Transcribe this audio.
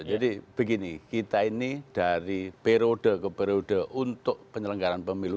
begini kita ini dari periode ke periode untuk penyelenggaran pemilu